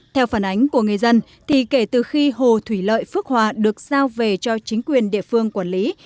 theo phản ánh của người dân thì kể từ khi hồ thủy lợi phước hòa được giao về cho chính quyền địa phương quản lý